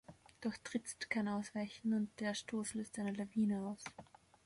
Doch Drizzt kann ausweichen und der Stoß löst eine Lawine aus.